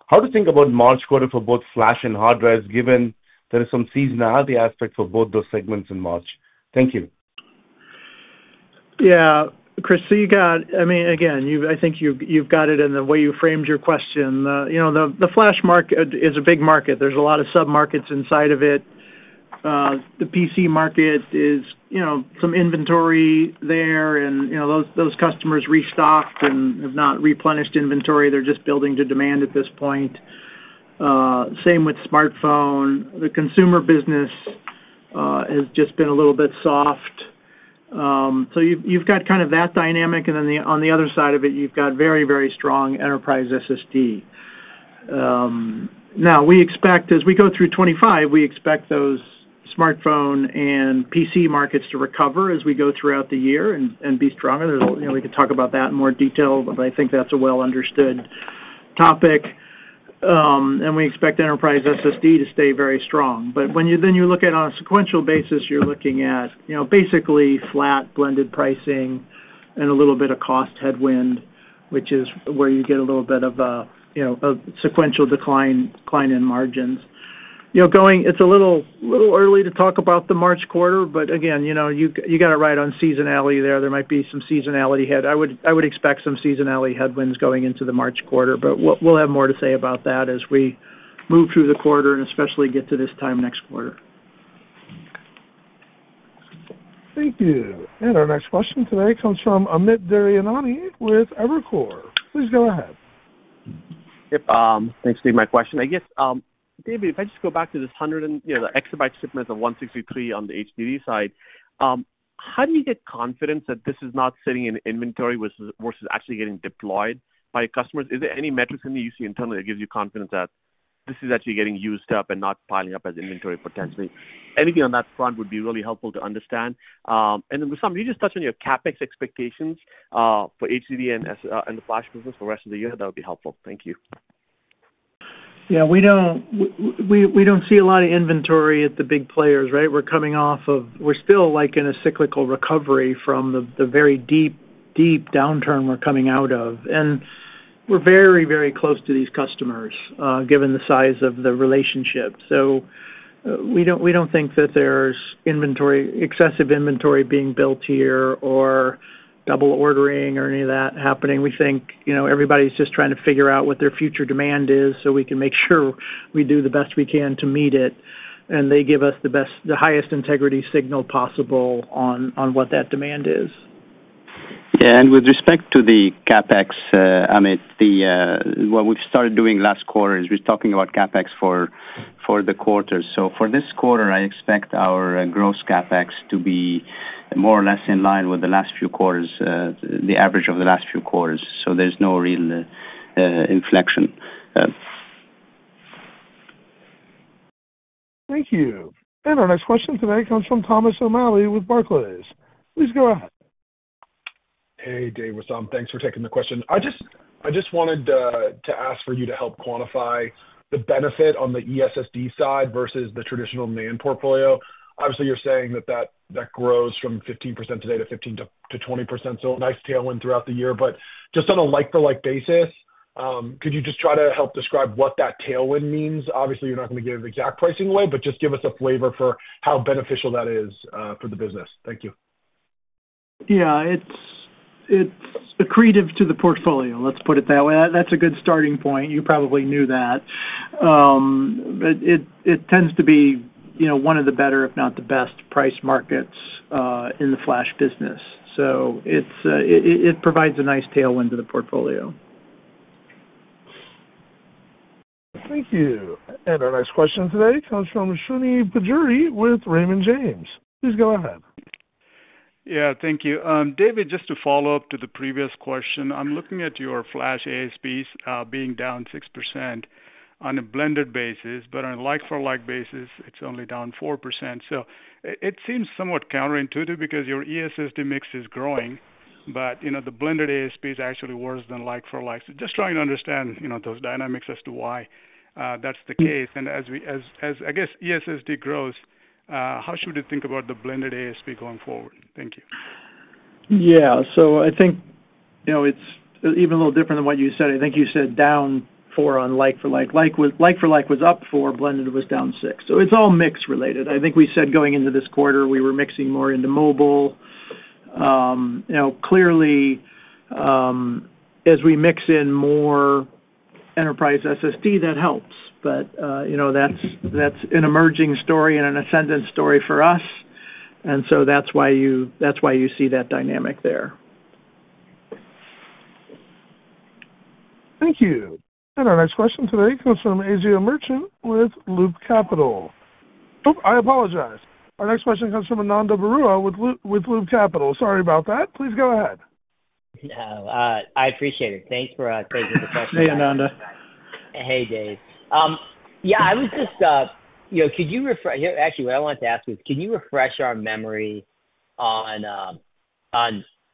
how to think about March quarter for both flash and hard drives, given there is some seasonality aspects for both those segments in March? Thank you. Yeah, Krish, so you got it. I mean, again, you've, I think you've got it in the way you framed your question. You know, the flash market is a big market. There's a lot of sub-markets inside of it. The PC market is, you know, some inventory there, and, you know, those customers restocked and have not replenished inventory. They're just building to demand at this point. Same with smartphone. The consumer business has just been a little bit soft. So you've got kind of that dynamic, and then, on the other side of it, you've got very, very strong enterprise SSD. Now, we expect as we go through 2025, we expect those smartphone and PC markets to recover as we go throughout the year and be stronger. There's, you know, we can talk about that in more detail, but I think that's a well-understood topic and we expect enterprise SSD to stay very strong. But then you look at on a sequential basis, you're looking at, you know, basically flat blended pricing and a little bit of cost headwind, which is where you get a little bit of a, you know, a sequential decline in margins. You know, it's a little early to talk about the March quarter, but again, you know, you got it right on seasonality there. There might be some seasonality head. I would expect some seasonality headwinds going into the March quarter, but we'll have more to say about that as we move through the quarter and especially get to this time next quarter. Thank you. And our next question today comes from Amit Daryanani with Evercore. Please go ahead. Yep, thanks for taking my question. I guess, David, if I just go back to this 100 and, you know, the 163 exabyte shipments on the HDD side, how do you get confidence that this is not sitting in inventory versus actually getting deployed by your customers? Is there any metrics in the you see internally that gives you confidence that this is actually getting used up and not piling up as inventory potentially? Anything on that front would be really helpful to understand. And then some, can you just touch on your CapEx expectations for HDD and SSD and the flash business for the rest of the year? That would be helpful. Thank you. Yeah, we don't see a lot of inventory at the big players, right? We're coming off of... We're still, like, in a cyclical recovery from the very deep downturn we're coming out of, and we're very, very close to these customers, given the size of the relationship. So, we don't think that there's inventory, excessive inventory being built here or double ordering or any of that happening. We think, you know, everybody's just trying to figure out what their future demand is, so we can make sure we do the best we can to meet it, and they give us the highest integrity signal possible on what that demand is. Yeah, and with respect to the CapEx, Amit, the, what we've started doing last quarter is we're talking about CapEx for the quarter. So for this quarter, I expect our gross CapEx to be more or less in line with the last few quarters, the average of the last few quarters, so there's no real inflection. Thank you. And our next question today comes from Thomas O'Malley with Barclays. Please go ahead. Hey, Dave, Wissam, thanks for taking the question. I just wanted to ask for you to help quantify the benefit on the eSSD side versus the traditional NAND portfolio. Obviously, you're saying that grows from 15% today to 15% to 20%. So a nice tailwind throughout the year. But just on a like-for-like basis, could you just try to help describe what that tailwind means? Obviously, you're not going to give the exact pricing away, but just give us a flavor for how beneficial that is for the business. Thank you. Yeah, it's accretive to the portfolio, let's put it that way. That's a good starting point. You probably knew that. But it tends to be, you know, one of the better, if not the best, priced markets in the flash business. So it provides a nice tailwind to the portfolio. Thank you. Our next question today comes from Srini Pajjuri with Raymond James. Please go ahead. Yeah, thank you. David, just to follow up to the previous question, I'm looking at your flash ASPs being down 6% on a blended basis, but on a like-for-like basis, it's only down 4%. So it seems somewhat counterintuitive because your eSSD mix is growing, but, you know, the blended ASP is actually worse than like-for-like. So just trying to understand, you know, those dynamics as to why that's the case. And as I guess eSSD grows, how should we think about the blended ASP going forward? Thank you. Yeah. So I think, you know, it's even a little different than what you said. I think you said down four on like-for-like. Like-for-like was up four, blended was down six. So it's all mix related. I think we said going into this quarter, we were mixing more into mobile. You know, clearly, as we mix in more enterprise SSD, that helps. But, you know, that's an emerging story and an ascendant story for us, and so that's why you see that dynamic there. Thank you. And our next question today comes from Asiya Merchant with Loop Capital. Oh, I apologize. Our next question comes from Ananda Baruah, with Loop Capital. Sorry about that. Please go ahead. No, I appreciate it. Thanks for taking the question. Hey, Ananda. Hey, Dave. Actually, what I wanted to ask you is, can you refresh our memory on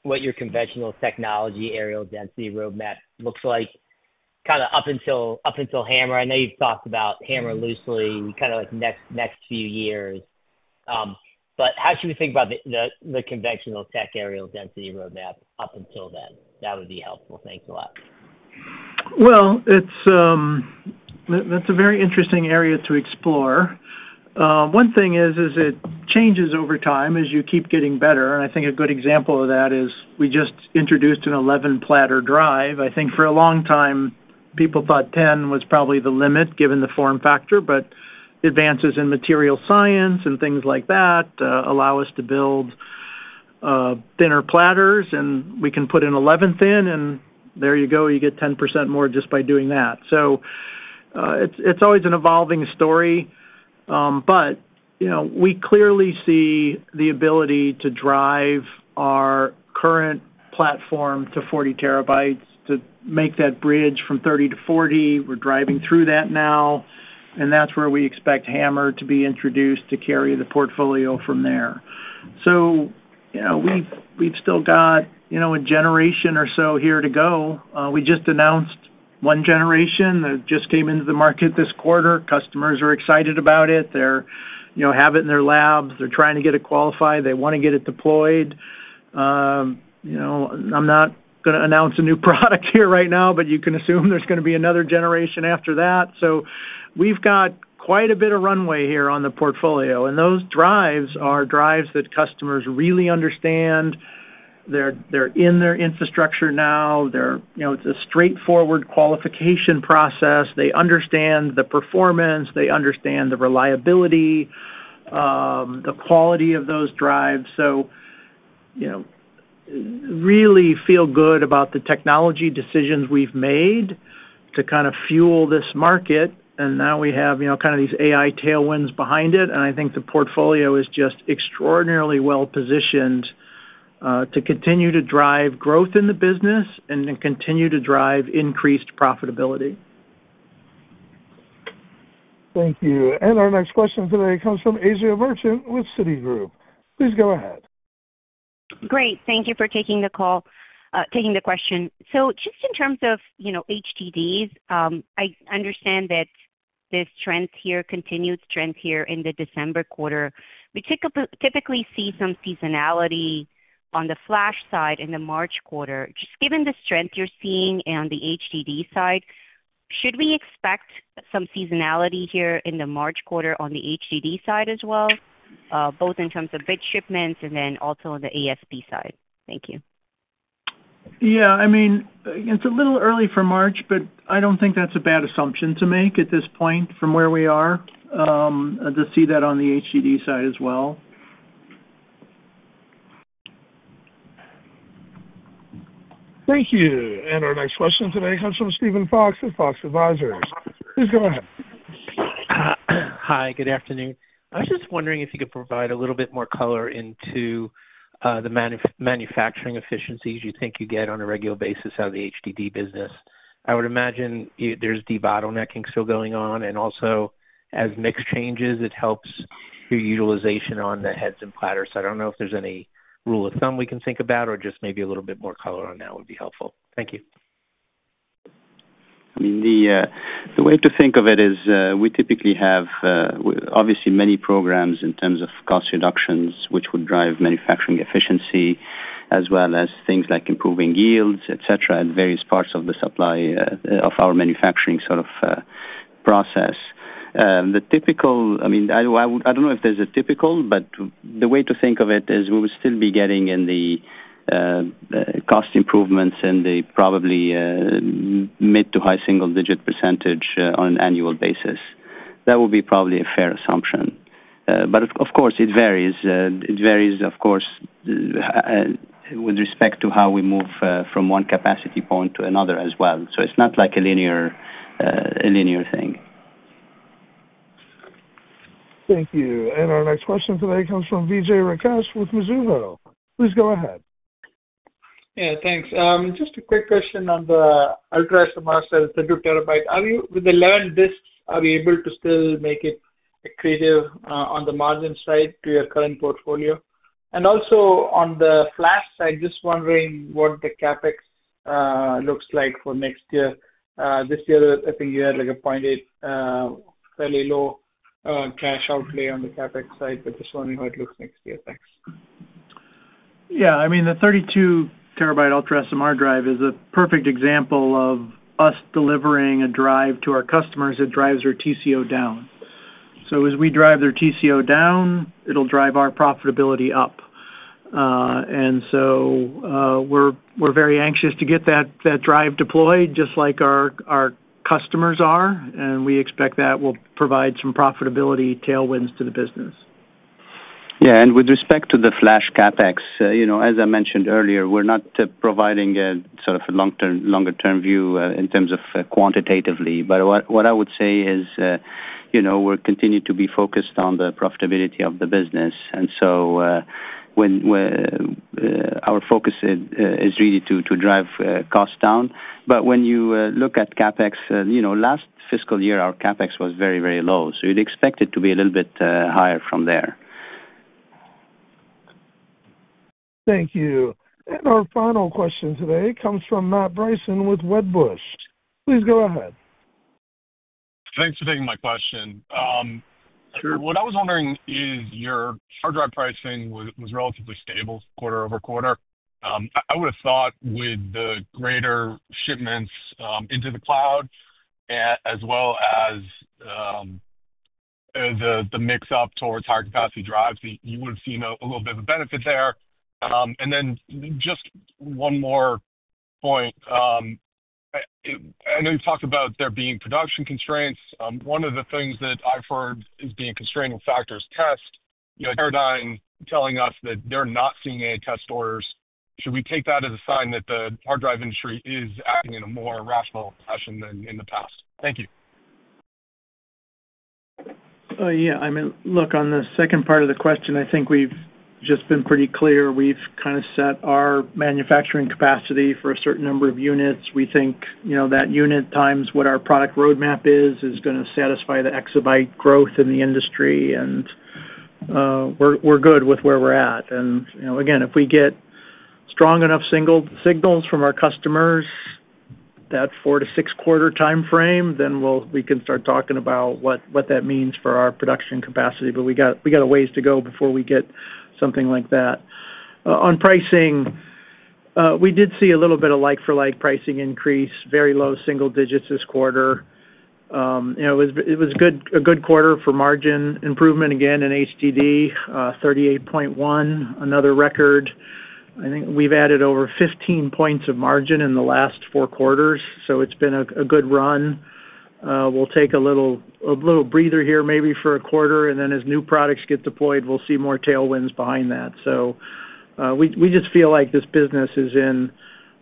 what your conventional technology areal density roadmap looks like, kind of, up until HAMR? I know you've talked about HAMR loosely, kind of, like, next few years, but how should we think about the conventional tech areal density roadmap up until then? That would be helpful. Thanks a lot. It's a very interesting area to explore. One thing is it changes over time as you keep getting better. I think a good example of that is we just introduced an 11-platter drive. I think for a long time, people thought 10 was probably the limit, given the form factor, but advances in material science and things like that allow us to build thinner platters, and we can put an 11th in, and there you go, you get 10% more just by doing that. So, it's always an evolving story. You know, we clearly see the ability to drive our current platform to 40 terabytes. To make that bridge from 30 to 40, we're driving through that now, and that's where we expect HAMR to be introduced to carry the portfolio from there. So you know, we've still got, you know, a generation or so here to go. We just announced one generation that just came into the market this quarter. Customers are excited about it. They're, you know, have it in their labs. They're trying to get it qualified. They want to get it deployed. You know, I'm not gonna announce a new product here right now, but you can assume there's gonna be another generation after that. So we've got quite a bit of runway here on the portfolio, and those drives are drives that customers really understand. They're in their infrastructure now. They're, you know, it's a straightforward qualification process. They understand the performance, they understand the reliability, the quality of those drives. So, you know, really feel good about the technology decisions we've made to kind of fuel this market. And now we have, you know, kind of these AI tailwinds behind it, and I think the portfolio is just extraordinarily well positioned to continue to drive growth in the business and then continue to drive increased profitability. Thank you. And our next question today comes from Asiya Merchant, with Citigroup. Please go ahead. Great. Thank you for taking the call, taking the question. So just in terms of, you know, HDDs, I understand that this trend here, continued trend here in the December quarter, we typically see some seasonality on the flash side in the March quarter. Just given the strength you're seeing on the HDD side, should we expect some seasonality here in the March quarter on the HDD side as well, both in terms of bit shipments and then also on the ASP side? Thank you. Yeah, I mean, it's a little early for March, but I don't think that's a bad assumption to make at this point from where we are, to see that on the HDD side as well. Thank you. And our next question today comes from Steven Fox, with Fox Advisors. Please go ahead. Hi, good afternoon. I was just wondering if you could provide a little bit more color into the manufacturing efficiencies you think you get on a regular basis out of the HDD business. I would imagine there's debottlenecking still going on, and also as mix changes, it helps your utilization on the heads and platters. I don't know if there's any rule of thumb we can think about or just maybe a little bit more color on that would be helpful. Thank you. ... I mean, the way to think of it is, we typically have, obviously many programs in terms of cost reductions, which would drive manufacturing efficiency, as well as things like improving yields, et cetera, at various parts of the supply of our manufacturing sort of process. The typical. I mean, I don't know if there's a typical, but the way to think of it is we will still be getting in the cost improvements in the probably mid- to high-single-digit %, on an annual basis. That would be probably a fair assumption. But of course, it varies. It varies, of course, with respect to how we move from one capacity point to another as well. So it's not like a linear thing. Thank you. And our next question today comes from Vijay Rakesh with Mizuho. Please go ahead. Yeah, thanks. Just a quick question on the 32 TB UltraSMR. Are you, with the eleven disks, are we able to still make it accretive, on the margin side to your current portfolio? And also, on the flash side, just wondering what the CapEx looks like for next year. This year, I think you had, like, a point eight, fairly low, cash outlay on the CapEx side, but just wondering how it looks next year. Thanks. Yeah, I mean, the 32 TB UltraSMR drive is a perfect example of us delivering a drive to our customers that drives their TCO down. So as we drive their TCO down, it'll drive our profitability up. And so, we're very anxious to get that drive deployed just like our customers are, and we expect that will provide some profitability tailwinds to the business. Yeah, and with respect to the flash CapEx, you know, as I mentioned earlier, we're not providing a sort of a long-term - longer-term view in terms of quantitatively. But what I would say is, you know, we're continuing to be focused on the profitability of the business, and so, our focus is really to drive costs down. But when you look at CapEx, you know, last fiscal year, our CapEx was very, very low, so you'd expect it to be a little bit higher from there. Thank you. And our final question today comes from Matt Bryson with Wedbush. Please go ahead. Thanks for taking my question. Sure. What I was wondering is, your hard drive pricing was relatively stable quarter-over-quarter. I would have thought with the greater shipments into the cloud, as well as the mix shift towards higher capacity drives, you would have seen a little bit of a benefit there. Then just one more point. I know you've talked about there being production constraints. One of the things that I've heard is being a constraining factor is test. You know, Teradyne telling us that they're not seeing any test orders. Should we take that as a sign that the hard drive industry is acting in a more rational fashion than in the past? Thank you. Yeah, I mean, look, on the second part of the question, I think we've just been pretty clear. We've kind of set our manufacturing capacity for a certain number of units. We think, you know, that unit times what our product roadmap is, is gonna satisfy the exabyte growth in the industry, and we're good with where we're at. And, you know, again, if we get strong enough single-signals from our customers, that four- to six-quarter timeframe, then we'll we can start talking about what that means for our production capacity. But we got a ways to go before we get something like that. On pricing, we did see a little bit of like-for-like pricing increase, very low single digits this quarter. You know, it was a good quarter for margin improvement, again, in HDD, 38.1%, another record. I think we've added over 15 points of margin in the last four quarters, so it's been a good run. We'll take a little breather here, maybe for a quarter, and then as new products get deployed, we'll see more tailwinds behind that. So, we just feel like this business is in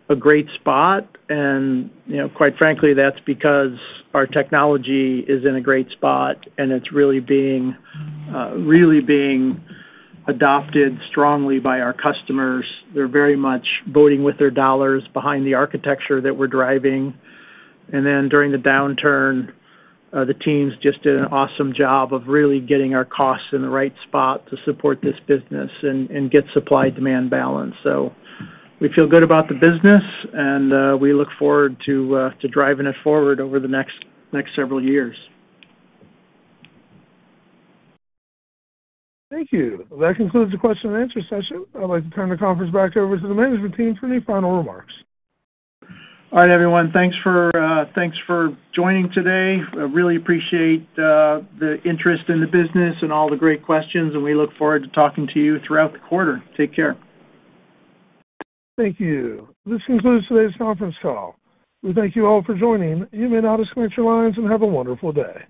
a great spot, and, you know, quite frankly, that's because our technology is in a great spot, and it's really being adopted strongly by our customers. They're very much voting with their dollars behind the architecture that we're driving. And then, during the downturn, the teams just did an awesome job of really getting our costs in the right spot to support this business and get supply-demand balance, so we feel good about the business, and we look forward to driving it forward over the next several years. Thank you. That concludes the question and answer session. I'd like to turn the conference back over to the management team for any final remarks. All right, everyone. Thanks for joining today. I really appreciate the interest in the business and all the great questions, and we look forward to talking to you throughout the quarter. Take care. Thank you. This concludes today's conference call. We thank you all for joining. You may now disconnect your lines, and have a wonderful day.